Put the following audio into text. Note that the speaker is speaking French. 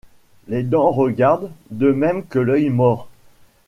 Les dents regardent, de même que l'œil mord.